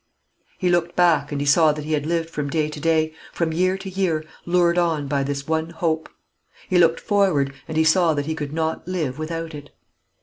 He looked back, and he saw that he had lived from day to day, from year to year, lured on by this one hope. He looked forward, and he saw that he could not live without it.